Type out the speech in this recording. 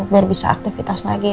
biar bisa aktivitas lagi